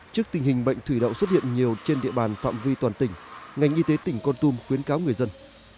trước tình hình bệnh thủy đậu xuất hiện nhiều trên địa bàn phạm vi toàn tỉnh ngành y tế tỉnh con tum khuyến cáo người dân